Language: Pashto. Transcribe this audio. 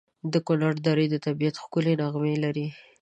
د کنړ درې د طبیعت ښکلي نغمې لري.